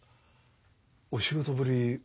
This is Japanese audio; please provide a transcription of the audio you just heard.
お仕事ぶり